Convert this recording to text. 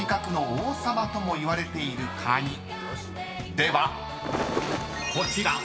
［ではこちら］